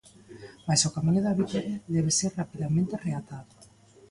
Mais o camiño da vitoria debe ser rapidamente reatado.